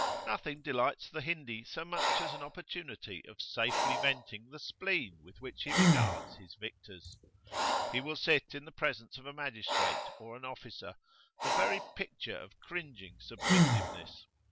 Nothing delights the Hindi so much as an opportunity of safely venting the spleen with which he regards his victors.[FN#11] He will sit in the presence of a [p.38]magistrate, or an officer, the very picture of cringing submissiveness.